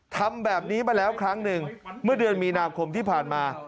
ทำแบบนี้มาแล้วครั้งหนึ่งเมื่อเดือนมีนาคมที่ผ่านมา